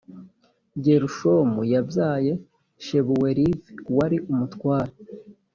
gerushomu yabyaye shebuweliv wari umutware